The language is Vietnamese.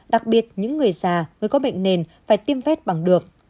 đặc biệt những người già người có bệnh nền phải tiêm vét bằng được